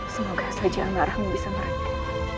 semoga saja amarahmu bisa mati